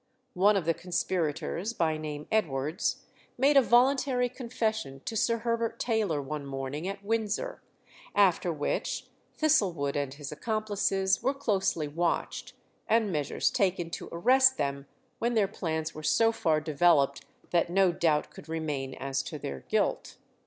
One of the conspirators, by name Edwards, made a voluntary confession to Sir Herbert Taylor one morning at Windsor; after which Thistlewood and his accomplices were closely watched, and measures taken to arrest them when their plans were so far developed that no doubt could remain as to their guilt.